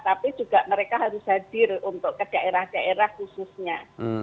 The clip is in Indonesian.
tapi juga mereka harus hadir untuk ke daerah daerah khususnya